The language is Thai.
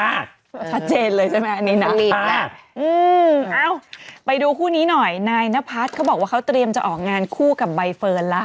ชัดเจนเลยใช่ไหมอันนี้นาลีเอ้าไปดูคู่นี้หน่อยนายนพัฒน์เขาบอกว่าเขาเตรียมจะออกงานคู่กับใบเฟิร์นละ